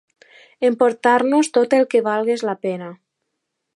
Emportar-nos tot el que valgués la pena